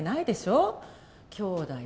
きょうだい